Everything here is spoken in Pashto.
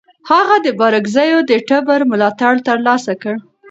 هغه د بارکزیو د ټبر ملاتړ ترلاسه کړ.